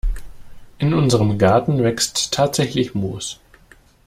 In unserem Garten wächst tatsächlich Moos.